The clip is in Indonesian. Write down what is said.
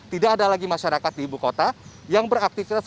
tidak ada lagi masyarakat di ibu kota yang beraktivitas